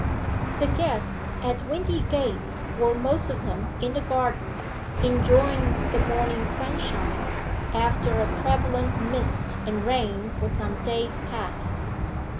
The guests at Windygates were most of them in the garden, enjoying the morning sunshine, after a prevalent mist and rain for some days past.